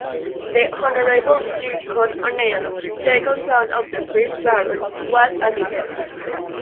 The Honourable Sir Con O'Neill, second son of the first Baron, was a diplomat.